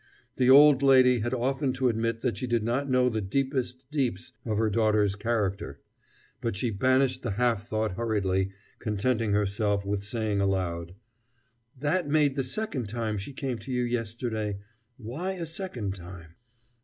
The old lady had often to admit that she did not know the deepest deeps of her daughter's character. But she banished the half thought hurriedly, contenting herself with saying aloud: "That made the second time she came to you yesterday. Why a second time?"